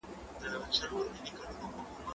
کېدای سي کتابتون بند وي؟